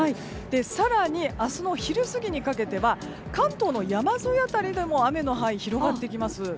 更に、明日の昼過ぎにかけては関東の山沿い辺りでも雨の範囲が広がってきます。